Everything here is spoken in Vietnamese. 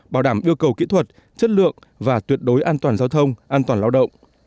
bảo đảm yêu cầu kỹ thuật chất lượng và tuyệt đối an toàn giao thông an toàn lao động